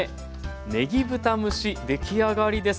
ねぎ豚蒸し出来上がりです。